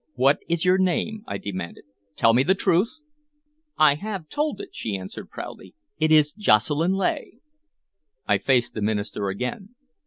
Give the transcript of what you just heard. "What is your name?" I demanded. "Tell me the truth!" "I have told it," she answered proudly. "It is Jocelyn Leigh." I faced the minister again.